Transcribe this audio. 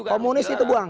komunis itu buang